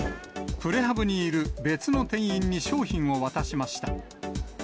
プレハブにいる別の店員に商品を渡しました。